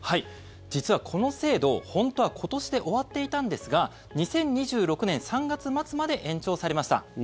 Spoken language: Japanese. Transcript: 実はこの制度、本当は今年で終わっていたんですが２０２６年３月末まで延長されました。